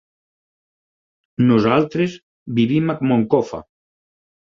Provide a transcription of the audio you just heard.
Nosaltres vivim a Moncofa.